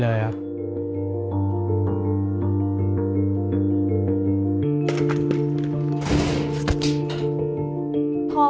เมื่อ๘๖ปีเธอการเลือกศัลย์